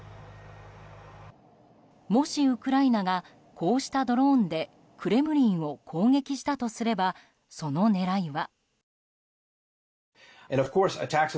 もしウクライナがこうしたドローンでクレムリンを攻撃したとすればその狙いは。